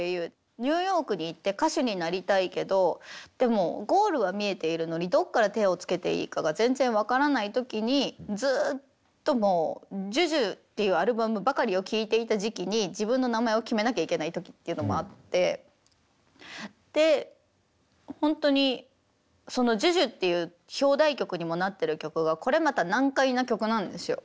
ニューヨークに行って歌手になりたいけどでもゴールは見えているのにどっから手をつけていいかが全然分からない時にずっともう「ＪＵＪＵ」っていうアルバムばかりを聴いていた時期に自分の名前を決めなきゃいけない時っていうのもあってでほんとにその「ＪＵＪＵ」っていう表題曲にもなってる曲がこれまた難解な曲なんですよ。